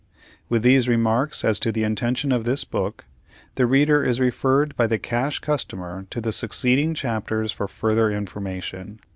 With these remarks as to the intention of this book, the reader is referred by the Cash Customer to the succeeding chapters for further information.